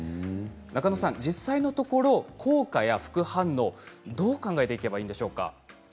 中野さん、実際のところ効果や副反応どう考えていけばいいでしょうか。